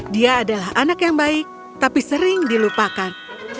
dia adalah anak yang baik tapi sering dilupakan